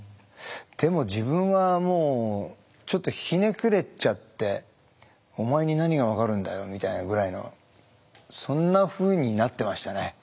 でも自分はもうちょっとひねくれちゃってお前に何が分かるんだよみたいなぐらいのそんなふうになってましたね。